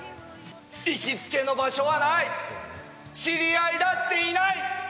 行きつけの場所はない、知り合いだっていない。